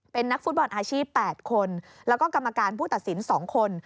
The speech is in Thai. เป็นนักฟุตบอลอาชีพ๘คนแล้วก็กรรมการผู้ตัดสิน๒คน